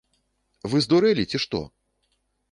Вы здурэлі, ці што?